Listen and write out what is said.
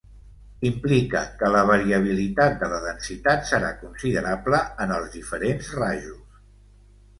Implica que la variabilitat de la densitat serà considerable en els diferents rajos.